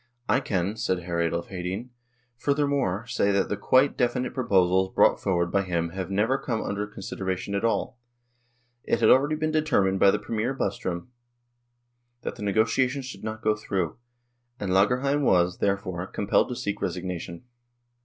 " I can," said Hr. Adolf Hedin, "furthermore say that the quite definite proposals brought forward by him have never come under consideration at all "; it had already been determined by the Premier Bostrom that the negotiations should not go through, and Lagerheim was, therefore, compelled to seek resignation.